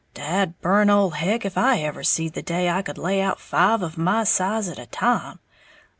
"Dad burn ole Heck if ever I seed the day I could lay out five of my size at a time!